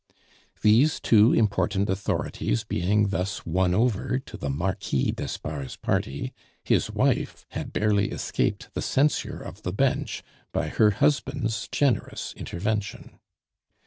These two important authorities being thus won over to the Marquis d'Espard's party, his wife had barely escaped the censure of the Bench by her husband's generous intervention.